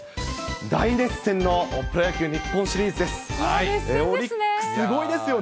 大熱戦のプロ野球日本シリーズで熱戦ですね。